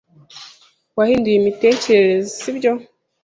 Wahinduye imitekerereze, sibyo?